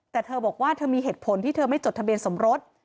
แต่เธอบอกว่าเธอมีเหตุผลที่เธอไม่จดทะเบียนสมรส